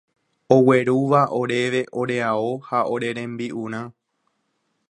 oguerúva oréve ore ao ha ore rembi'urã